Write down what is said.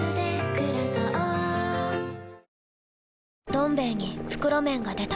「どん兵衛」に袋麺が出た